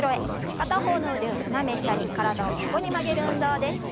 片方の腕を斜め下に体を横に曲げる運動です。